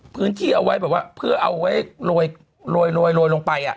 พื้นที่เอาไว้แบบว่าเพื่อเอาไว้ลวยลวยลอยลงไปอ่ะอ่า